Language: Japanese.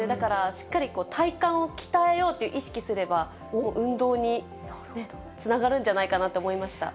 しっかり体幹を鍛えようって意識すれば、運動につながるんじゃないかなと思いました。